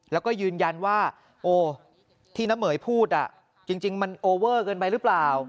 แล้วก็ยืนยันว่าโอ้ที่น้ำเหม๋ยพูดจริงมันโอเวอร์เกินไปหรือเปล่า